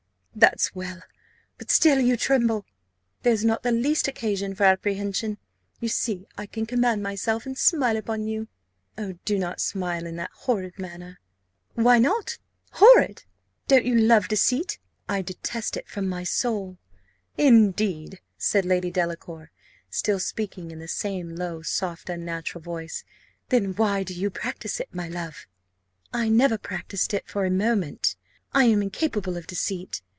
"That's well; but still you tremble. There's not the least occasion for apprehension you see I can command myself, and smile upon you." "Oh, do not smile in that horrid manner!" "Why not? 'Horrid! Don't you love deceit?" "I detest it from my soul." "Indeed!" said Lady Delacour, still speaking in the same low, soft, unnatural voice: "then why do you practise it, my love?" "I never practised it for a moment I am incapable of deceit.